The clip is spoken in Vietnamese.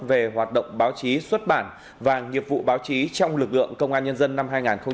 về hoạt động báo chí xuất bản và nghiệp vụ báo chí trong lực lượng công an nhân dân năm hai nghìn hai mươi ba